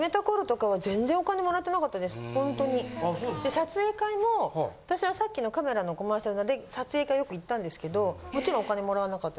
撮影会も私はさっきのカメラのコマーシャルので撮影会よく行ったんですけどもちろんお金貰わなかった。